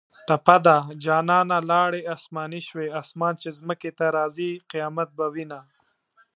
ټپه ده: جانانه لاړې اسماني شوې اسمان چې ځمکې ته راځي قیامت به وینه